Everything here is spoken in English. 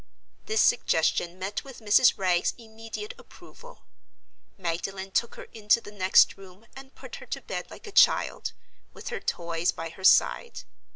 This suggestion met with Mrs. Wragge's immediate approval. Magdalen took her into the next room and put her to bed like a child—with her toys by her side.